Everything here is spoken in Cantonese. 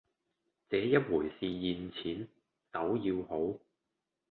這一回是現錢，酒要好